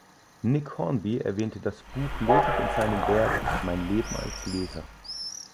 Nick Hornby erwähnte das Buch lobend in seinem Werk "Mein Leben als Leser".